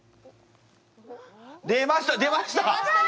出ました出ました！